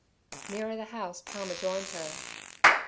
Nearer the house Palmer joined her.